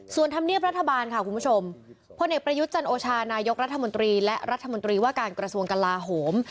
ส่วนธรรมเนียบรัฐบาลค่ะคุณผู้ชมพลเอกประยุทธ์จันโอชานายกรัฐมนตรีและรัฐมนตรีว่าการกระทรวงกลาโหม